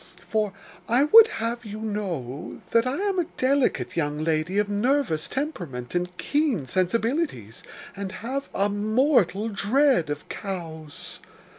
For I would have you know, that I am a delicate young lady of nervous temperament and keen sensibilities, and have a mortal dread of cows.